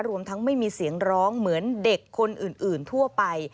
รวมทั้งไม่มีเสียงร้องเหมือนเด็กคนอื่นทั่วไป